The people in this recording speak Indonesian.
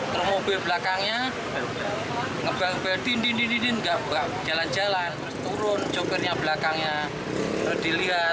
terus mobil belakangnya ngebak bak jalan jalan turun jokernya belakangnya dilihat